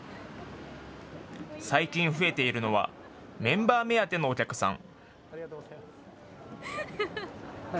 最近増えているのはメンバー目当てのお客さん。